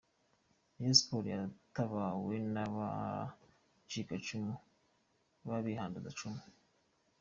Rayon sports yatabawe n’abacikacumu babihanduzacumu !